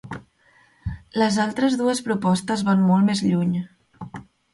Les altres dues propostes van molt més lluny.